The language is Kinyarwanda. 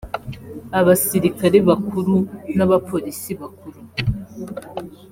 abasirikare bakuru n’abapolisi bakuru